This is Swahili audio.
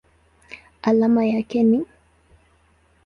Alama yake ni µm.